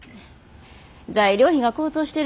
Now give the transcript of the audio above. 材料費が高騰してる